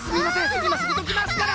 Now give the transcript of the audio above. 今すぐどきますから！